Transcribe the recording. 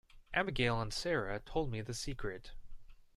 Abigail and Sara told me the secret.